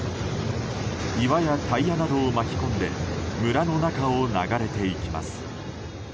岩やタイヤなどを巻き込んで村の中を流れていきます。